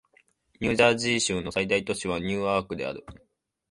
ニュージャージー州の最大都市はニューアークである